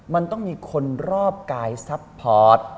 มันต้องมีคนรอบกายซัพพอร์ต